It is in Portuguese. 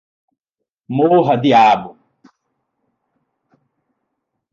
Morra, diabo!